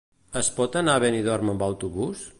Es pot anar a Benidorm amb autobús?